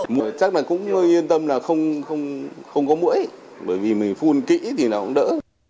mũi chắc là cũng yên tâm là không có mũi bởi vì mình phun kỹ thì nào cũng đỡ